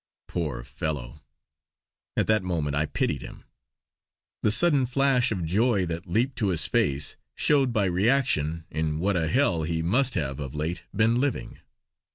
Poor fellow, at that moment I pitied him. The sudden flash of joy that leaped to his face showed by reaction in what a hell he must have of late been living.